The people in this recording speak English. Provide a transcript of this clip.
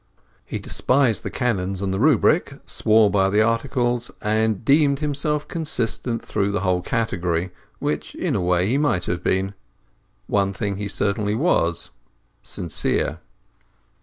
He despised the Canons and Rubric, swore by the Articles, and deemed himself consistent through the whole category—which in a way he might have been. One thing he certainly was—sincere.